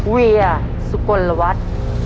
๕เวียสุกลวัด